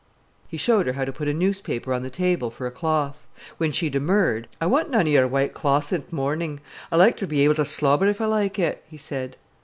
He showed her how to put a newspaper on the table for a cloth. When she demurred: "I want none o' your white cloths i' th' mornin'. I like ter be able to slobber if I feel like it," he said.